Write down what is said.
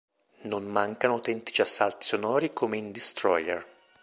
Non mancano autentici assalti sonori come in "Destroyer".